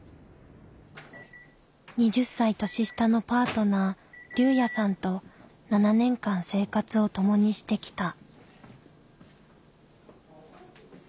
２０歳年下のパートナー竜也さんと７年間生活を共にしてきた。